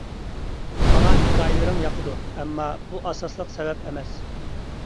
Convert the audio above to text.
ماڭا ھېكايىلىرىڭ ياقىدۇ، ئەمما، بۇ ئاساسلىق سەۋەب ئەمەس.